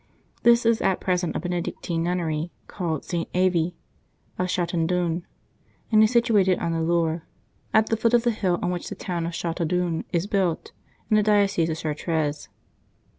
This is at present a Benedictine nunnery, called St. Avy of Chateaudun, and is situated on the Loire, at the foot of the hill on which the town of Chateaudun is built, in the diocese of Chartres.